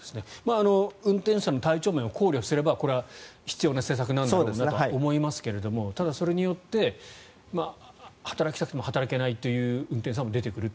運転手さんの体調面を考慮すればこれは必要な施策なんだろうとは思いますがただ、それによって働きたくても働けないという運転手さんも出てくると。